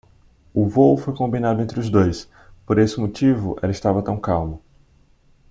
O vôo foi combinado entre os dois: por esse motivo ela estava tão calma.